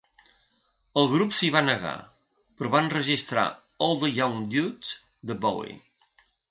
El grup s'hi va negar, però va enregistrar "All the Young Dudes" de Bowie.